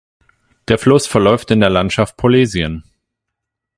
Der Fluss verläuft in der Landschaft Polesien.